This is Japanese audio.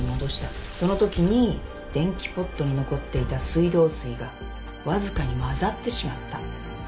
そのときに電気ポットに残っていた水道水がわずかに混ざってしまった。